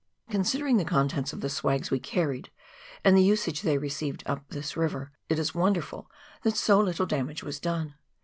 Considering the contents of the " swags " we carried, and the usage they received up this river, it is wonderful that so little damage was done.